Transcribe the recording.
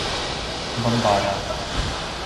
Bambara